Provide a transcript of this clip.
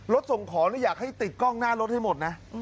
ส่งของอยากให้ติดกล้องหน้ารถให้หมดนะ